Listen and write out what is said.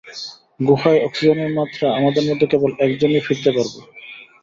গুহায় অক্সিজেনের মাত্রা আমাদের মধ্যে কেবল একজনই ফিরতে পারবো।